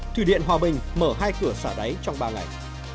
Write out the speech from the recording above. thủy điện hòa bình mở hai cửa xả đáy trong ba ngày